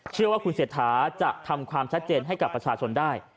เชื่อว่าคุณเศรษฐาจะทำความชัดเจนให้กับประชาชนได้